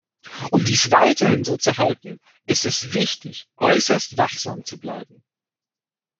Um dies weiterhin so zu halten, ist es wichtig, äußerst wachsam zu bleiben.